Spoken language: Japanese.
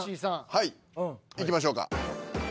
はいいきましょうか。